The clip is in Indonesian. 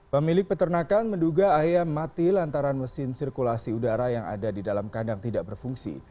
pemilik peternakan menduga ayam mati lantaran mesin sirkulasi udara yang ada di dalam kandang tidak berfungsi